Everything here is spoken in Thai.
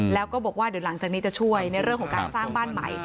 แล้วก็บอกว่าเดี๋ยวหลังจากนี้จะช่วยในเรื่องของการสร้างบ้านใหม่